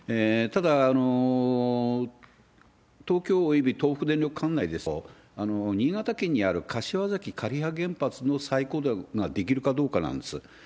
ただ、東京および東北電力管内ですと、新潟県にある柏崎刈羽原発の再稼働ができるかどうかなんです。